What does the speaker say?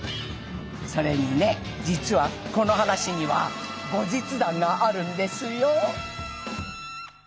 それにね実はこの話には後日談があるんですよ。